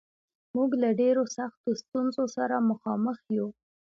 موږ له ډېرو سختو ستونزو سره مخامخ یو